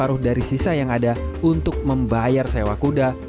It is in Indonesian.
separuh dari sisa yang ada untuk membayar sewa kuda